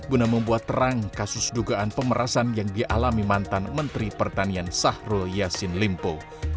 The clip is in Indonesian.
guna membuat terang kasus dugaan pemerasan yang dialami mantan menteri pertanian sahrul yassin limpo